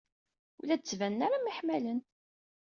Ur la d-ttbanen ara mḥemmalen.